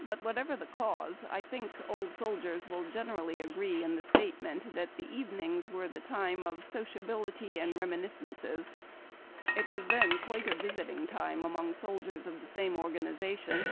But, whatever the cause, I think old soldiers will generally agree in the statement that the evenings were the time of sociability and reminiscence. It was then quite a visiting time among soldiers of the same organization.